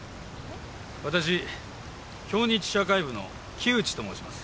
私京日社会部の木内と申します。